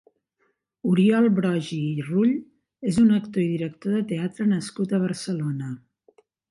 Oriol Broggi i Rull és un actor i director de teatre nascut a Barcelona.